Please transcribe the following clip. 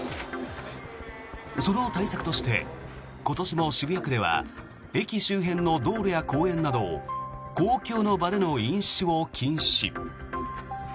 その対策として今年も渋谷区では駅周辺の道路や公園など公共の場での飲酒を禁止。